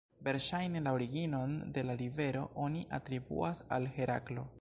Verŝajne, la originon de la rivero oni atribuas al Heraklo.